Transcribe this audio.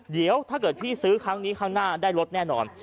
เดี๋ยวถ้าเกิดพี่ซื้อครั้งนี้ข้างหน้าได้รถแน่นอน